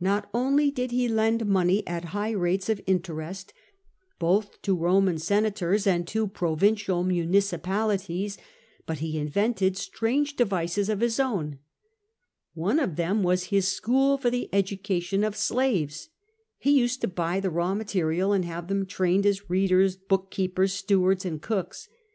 Not only did he lend money at high rates of interest both to Roman senators and to provincial municipalities, but he invented strange devices of his own. One of them was his school for the education of slaves. He used to buy the raw material, and have them trained as readers, book keepers, stewards, and cooks.